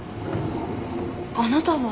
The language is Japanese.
あなたは？